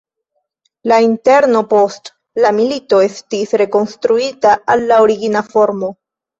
La interno post la milito estis rekonstruita al la origina formo.